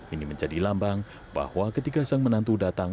ini menjadi lambang bahwa ketika sang menantu datang